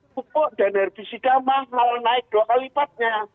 pupuk dan herbisida mahal naik dua kali lipatnya